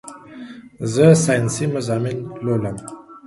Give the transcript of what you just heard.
زه سائنسي مضامين لولم